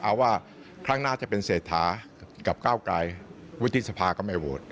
เอาว่าครั้งหน้าจะเป็นเศรษฐากับก้าวไกลวุฒิสภาก็ไม่โหวต